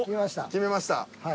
決めました。